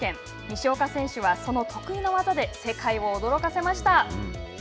西岡選手はその得意の技で世界を驚かせました。